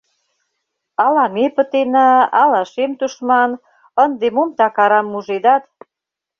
Ала ме пытена, ала шем тушман, Ынде мом так арам мужедат?